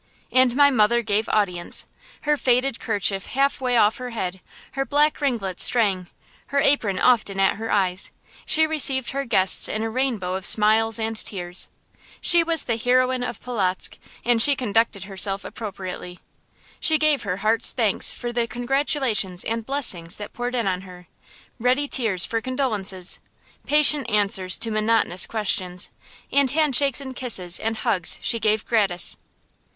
And my mother gave audience. Her faded kerchief halfway off her head, her black ringlets straying, her apron often at her eyes, she received her guests in a rainbow of smiles and tears. She was the heroine of Polotzk, and she conducted herself appropriately. She gave her heart's thanks for the congratulations and blessings that poured in on her; ready tears for condolences; patient answers to monotonous questions; and handshakes and kisses and hugs she gave gratis.